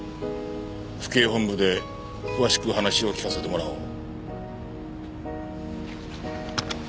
府警本部で詳しく話を聞かせてもらおう。